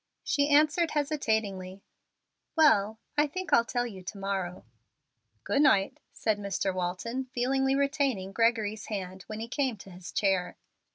She answered, hesitatingly, "Well, I think I'll tell you to morrow." "Good night," said Mr. Walton, feelingly retaining Gregory's hand when he came to his chair.